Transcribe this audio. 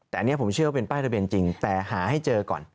แต่อันนี้ผมเชื่อว่าเป็นป้ายทะเบียนจริงแต่หาให้เจอก่อน